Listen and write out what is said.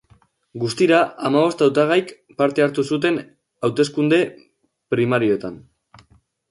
Guztira, hamabost hautagaik parte hartu zuten hauteskunde primarioetan.